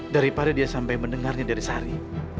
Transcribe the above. daripada dia sampai mendengarnya dari sari